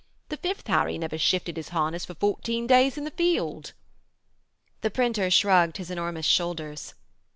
The fifth Harry never shifted his harness for fourteen days in the field.' The printer shrugged his enormous shoulders.